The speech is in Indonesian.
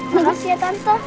makasih ya tante